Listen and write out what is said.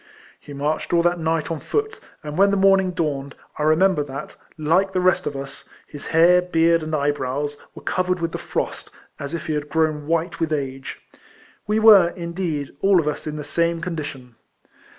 He marched all that niglit on foot; and when the morning dawned, I remember that, like the rest of us, his hair, beard, and eye brows, were covered with the frost, as if he had grown white with age. AVe were, indeed, all of us in the same condition.